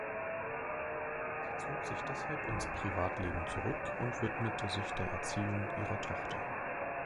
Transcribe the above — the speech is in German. Sie zog sich deshalb ins Privatleben zurück und widmete sich der Erziehung ihrer Tochter.